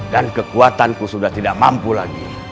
dan kekuatanku sudah tidak mampu lagi